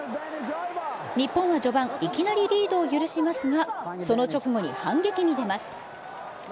日本は序盤、いきなりリードを許しますが、その直後に反撃に出ます。